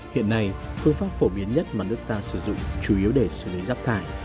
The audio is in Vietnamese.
hiện nay phương pháp phổ biến nhất mà nước ta sử dụng chủ yếu để xử lý rác thải